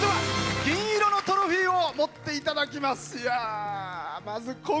銀色のトロフィーを持っていただきます！